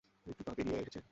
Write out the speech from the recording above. একটা পা বেড়িয়ে এসেছে।